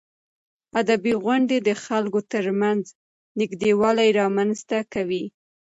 ادبي غونډې د خلکو ترمنځ نږدېوالی رامنځته کوي.